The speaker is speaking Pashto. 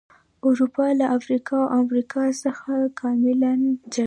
اروپا له افریقا او امریکا څخه کاملا جلا و.